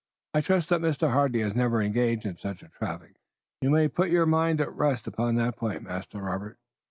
"I trust that Mr. Hardy has never engaged in such a traffic." "You may put your mind at rest upon that point, Master Robert.